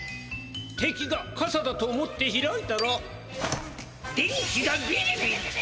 てきがかさだと思って開いたら電気がビリビリ。